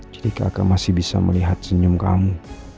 jadi kakak masih bisa melihat senyum kamu